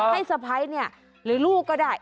ให้สะพ้ายหรือลูกก็ได้